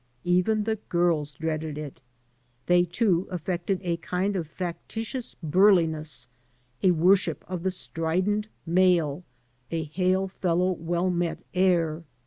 Even the girls dreaded it. They, too, affected a kind of factitious biu*liness, a worship of the strident male, a hail fellow well met air.